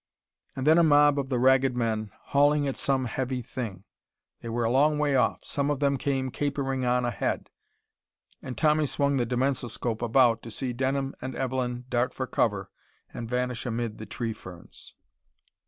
And then a mob of the Ragged Men, hauling at some heavy thing. They were a long way off. Some of them came capering on ahead, and Tommy swung the dimensoscope about to see Denham and Evelyn dart for cover and vanish amid the tree ferns.